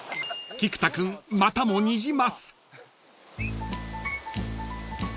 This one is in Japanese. ［菊田君またもニジマス］